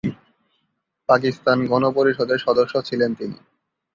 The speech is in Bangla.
পাকিস্তান গণপরিষদের সদস্য ছিলেন তিনি।